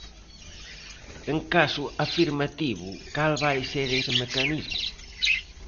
En caso afirmativo, ¿cal vai ser ese mecanismo?